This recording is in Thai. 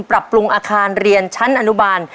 ปรับปรุงอาคารเรียนชั้นอนุบาล